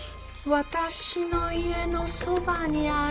「私の家の傍にある」